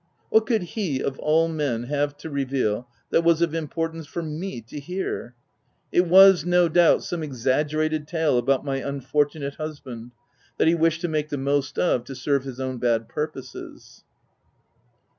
What could he of all men, have to reveal that was of importance for me to hear? It was, no doubt some exagge rated tale about my unfortunate husband, that he wished to make the most of to serve his own bad purposes.